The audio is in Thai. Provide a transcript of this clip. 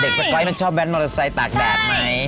สก๊อตมันชอบแว้นมอเตอร์ไซค์ตากแดดไหม